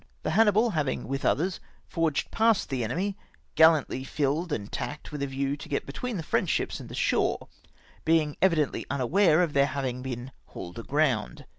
The Hannibal, having with the others forged past the enemy, gallantly filled and tacked with a view to get between the French ships and the shore, being evidently unaware of their havino been hauled ag; roimd.